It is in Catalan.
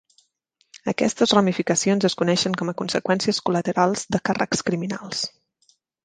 Aquestes ramificacions es coneixen com a conseqüències col·laterals de càrrecs criminals.